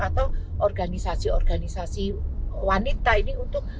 atau organisasi organisasi wanita ini untuk